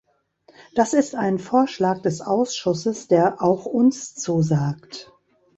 Das ist ein Vorschlag des Ausschusses, der auch uns zusagt.